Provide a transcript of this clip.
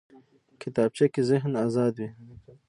کتابچه کې ذهن ازاد وي